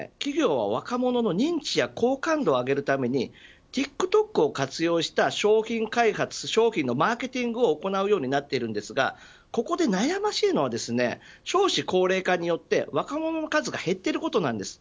そのため、企業は若者への認知や好感度を上げるためにＴｉｋＴｏｋを活用した商品開発商品のマーケティングを行うようになっているんですがここで悩ましいのは少子高齢化によって、若者の数が減っていることなんです。